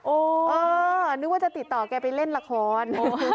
เออนึกว่าจะติดต่อแกไปเล่นละคร